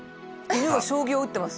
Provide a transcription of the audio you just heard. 犬が将棋を打ってます。